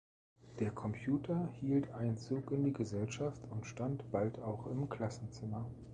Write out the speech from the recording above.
Der Computer hielt Einzug in die Gesellschaft und stand bald auch im Klassenzimmer.